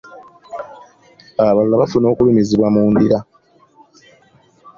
Abalala bafuna okulumizibwa mu ndira.